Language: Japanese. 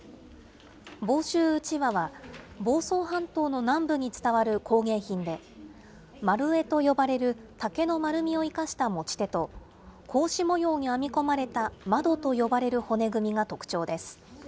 房州うちわは房総半島南部に伝わる工芸品で、丸柄と呼ばれる竹の丸みを生かした持ち手と、格子模様に編み込まれた窓と呼ばれる骨組みが特徴です。